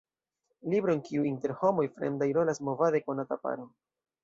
Libro en kiu, inter homoj fremdaj, rolas movade konata paro.